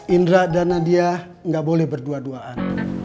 indra dan nadia nggak boleh berdua duaan